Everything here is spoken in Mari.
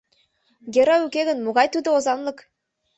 Герой уке гын, могай тудо озанлык?